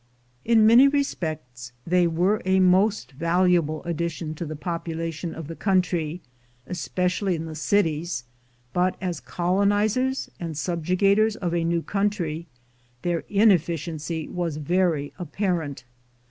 In many respects they were a most valuable addition to the population of the country, especially in the cities, but as colonizers and subjugators of a new country, their inefficiency was very apparent.